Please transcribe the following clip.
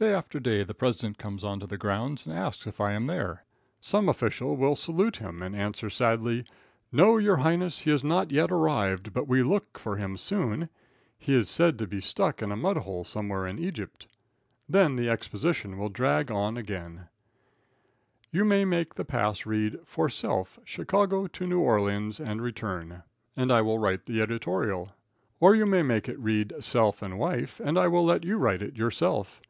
Day after day the president on to the grounds and ask if I am there. Some official will salute him and answer sadly, "No, your highness, he has not yet arrived, but we look for him soon. He is said to be stuck in a mud hole somewhere in Egypt." Then the exposition will drag on again. [Illustration: STUCK IN A MUD HOLE.] You may make the pass read, "For self, Chicago to New Orleans and return," and I will write the editorial, or you may make it read, "Self and wife" and I will let you write it yourself.